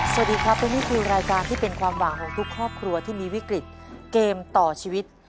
สวัสดีครับและนี่คือรายการที่เป็นความหวังของทุกครอบครัวที่มีวิกฤตเกมต่อชีวิต